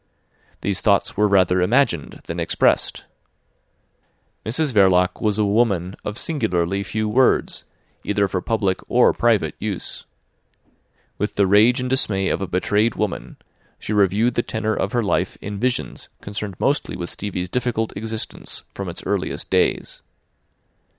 These thoughts were rather imagined than expressed. Mrs Verloc was a woman of singularly few words, either for public or private use. With the rage and dismay of a betrayed woman, she reviewed the tenor of her life in visions concerned mostly with Stevie's difficult existence from its earliest days.